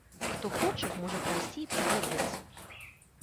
Хто хоча, можа пайсці і паглядзець.